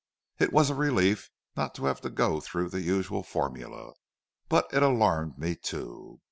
It was a relief not to have to go through the usual formula, but it alarmed me too.